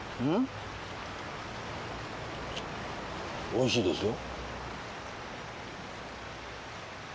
おいしいですよ。